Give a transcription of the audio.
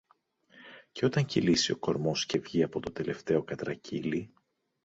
Και όταν κυλήσει ο κορμός και βγει από το τελευταίο κατρακύλι